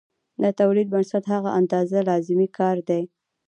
د تولید بنسټ هغه اندازه لازمي کار دی